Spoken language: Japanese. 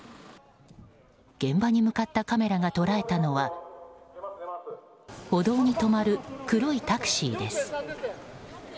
現場に向かったカメラが捉えたのは歩道に止まる黒いタクシーです。